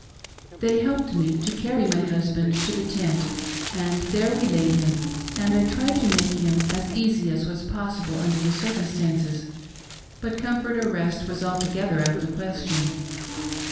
" They helped me to carry my husband to the tent, and there we laid him, and I tried to make him as easy as was possible under the circumstances, but comfort or rest was altogether out of the question.